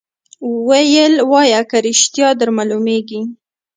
ویل وایه که ریشتیا در معلومیږي